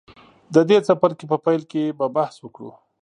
د دې څپرکي په پیل کې به بحث وکړو.